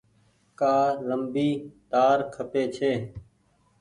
ڪآ ليمبي تآر کپي ڇي۔